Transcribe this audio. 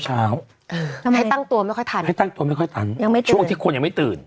ให้ตั้งตัวไม่ค่อยทันช่วงที่คนยังไม่ตื่น